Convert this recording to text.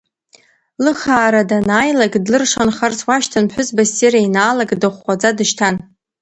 Лыхаара данааилак, длыршанхарц уашьҭан, ԥҳәызба ссир еинаалак, дыхәхәаӡа дышьҭан.